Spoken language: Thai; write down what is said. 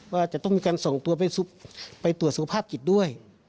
ว่าจะต้องมีการส่งตัวไปตรวจสุขภาพจิตด้วย